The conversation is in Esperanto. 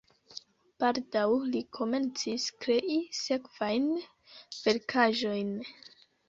Baldaŭ li komencis krei sekvajn verkaĵojn.